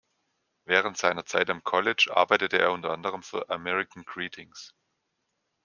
Während seiner Zeit am College arbeitete er unter anderem für American Greetings.